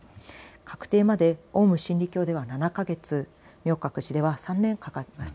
確定までオウム真理教では７か月、明覚寺では３年かかりました。